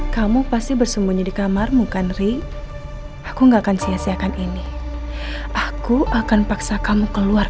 kamu pasti bersembunyi di kamarmu kan ri aku enggak akan sia siakan ini aku akan paksa kamu keluar